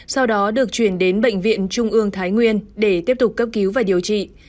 sau đó được chuyển đến bệnh viện trung ương thái nguyên để tiếp tục cấp cứu và điều trị